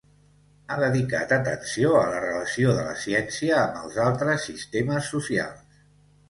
Ha dedicat atenció a la relació de la ciència amb els altres sistemes socials.